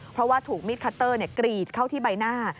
เพราะว่าถูกมิดคัตเตอร์กรีดเข้าที่ใบหน้า